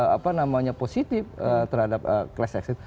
apa namanya positif terhadap class exit